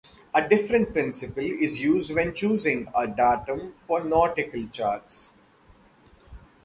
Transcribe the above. A different principle is used when choosing a datum for nautical charts.